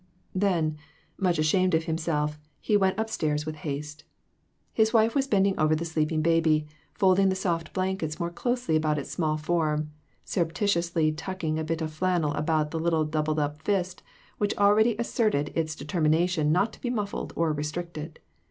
Then, much ashamed of himself, he went up 4OO INTUITIONS. stairs with haste. His wife was bending over the sleeping baby, folding the soft blankets more closely about its small form, surreptitiously tuck ing a bit of flannel about the little doubled up fist, which already asserted its determination not to be muffled or restricted.